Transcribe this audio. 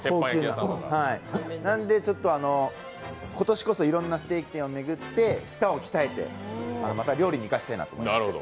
なので今年こといろんなステーキ店を巡って舌を鍛えて、また料理に生かしたいなと思ってます。